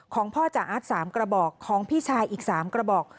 ของพ่อจาอาร์ต๓กระบอกของพี่ชายอีก๓กระบอก